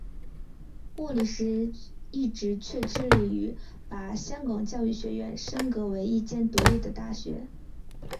莫礼时一直却致力于把香港教育学院升格为一间独立的大学。